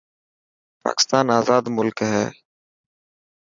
پاڪستان آزاد ملڪ هي.